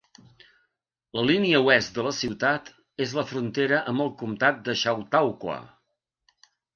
La línia oest de la ciutat és la frontera amb el comtat de Chautauqua.